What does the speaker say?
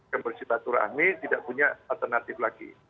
kepersidaturaan ini tidak punya alternatif lagi